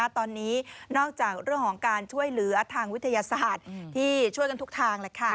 ตอนนี้นอกจากเรื่องของการช่วยเหลือทางวิทยาศาสตร์ที่ช่วยกันทุกทาง